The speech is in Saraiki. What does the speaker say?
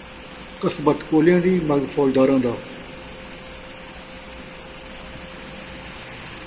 کسبت کولیاں دی ، مغز فوجداراں دا